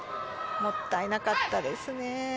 もったいなかったですね。